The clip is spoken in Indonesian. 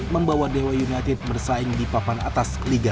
membawa dewa united bersaing di papan atas liga satu